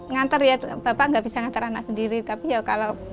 ngantar ya bapak nggak bisa ngantar anak sendiri tapi ya kalau